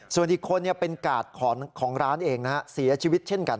ส่วนอีกคนเป็นกาดของร้านเองนะฮะเสียชีวิตเช่นกัน